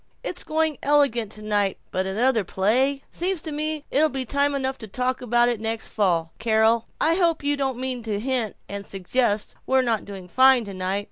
It's going elegant tonight, but another play Seems to me it'll be time enough to talk about that next fall. Carol! I hope you don't mean to hint and suggest we're not doing fine tonight?